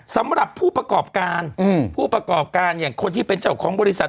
สำหรับผู้ประกอบการผู้ประกอบการอย่างคนที่เป็นเจ้าของบริษัท